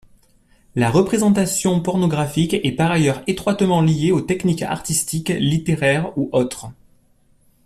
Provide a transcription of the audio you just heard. La représentation pornographique est par ailleurs étroitement liée aux techniques artistiques, littéraires ou autres.